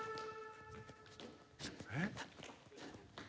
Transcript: えっ？